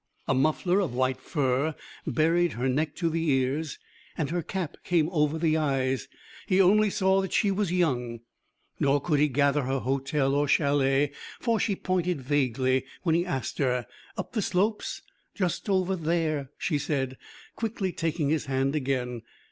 A muffler of white fur buried her neck to the ears, and her cap came over the eyes. He only saw that she was young. Nor could he gather her hotel or chalet, for she pointed vaguely, when he asked her, up the slopes. "Just over there " she said, quickly taking his hand again.